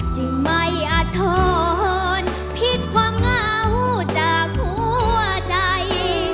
จึงไม่อาทรพลิกความเหงาจากหัวใจ